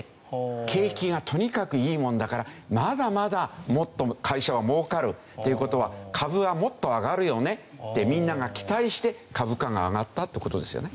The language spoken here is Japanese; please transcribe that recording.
景気がとにかくいいものだからまだまだもっと会社は儲かるっていう事は株はもっと上がるよねってみんなが期待して株価が上がったって事ですよね。